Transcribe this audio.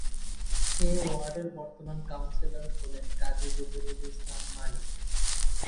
এ ওয়ার্ডের বর্তমান কাউন্সিলর হলেন কাজী জহিরুল ইসলাম মানিক।